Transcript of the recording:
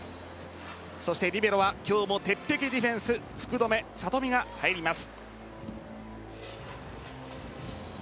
そしてリベロは今日も鉄壁ディフェンス福留慧美が入ります。